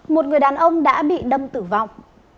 một người đàn ông đã bị đâm tử vong